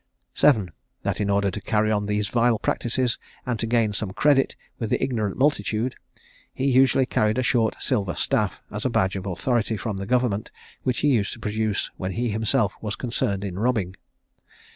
VII. That in order to carry on these vile practices, and to gain some credit with the ignorant multitude, he usually carried a short silver staff, as a badge of authority from the government, which he used to produce when he himself was concerned in robbing.